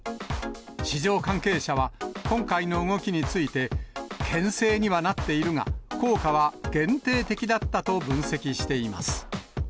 市場関係者は、今回の動きについて、けん制にはなっているが、効果は限定的だったと分析しています。